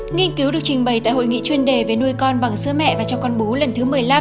nghiên cứu được trình bày tại hội nghị chuyên đề về nuôi con bằng sữa mẹ và cho con bú lần thứ một mươi năm